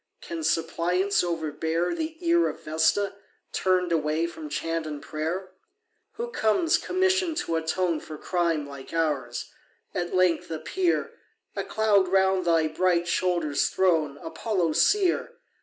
Can suppliance overbear The ear of Vesta, turn'd away From chant and prayer? Who comes, commission'd to atone For crime like ours? at length appear, A cloud round thy bright shoulders thrown, Apollo seer!